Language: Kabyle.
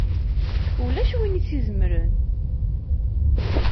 Ulac win i s-izemren!